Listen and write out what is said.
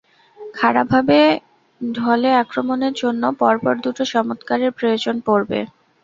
খাড়াভাবে ঢলে আক্রমণের জন্য, পরপর দুটো চমৎকারের প্রয়োজন পড়বে।